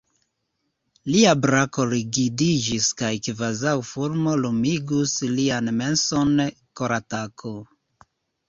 Lia brako rigidiĝis kaj kvazaŭ fulmo lumigus lian menson koratako.